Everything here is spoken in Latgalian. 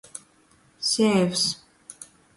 Seivs.